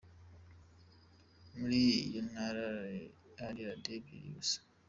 Muri iyo ntara hari Radio ebyiri gusa.